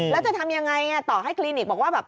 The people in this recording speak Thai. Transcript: แล้วจะทำอย่างไรต่อให้คลินิกบอกว่า